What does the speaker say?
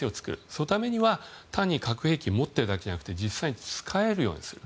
そのためには単に核兵器を持ってるだけじゃなくて実際に使えるようにする。